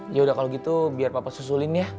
ya udah kalau gitu biar papa susulin ya